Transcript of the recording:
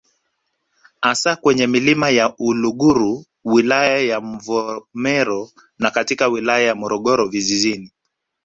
Hasa kwenye Milima ya Uluguru wilaya ya Mvomero na katika wilaya ya Morogoro vijijini